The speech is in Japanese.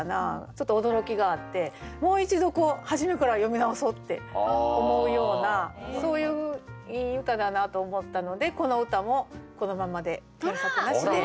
ちょっと驚きがあってもう一度初めから読み直そうって思うようなそういういい歌だなと思ったのでこの歌もこのまんまで添削なしで。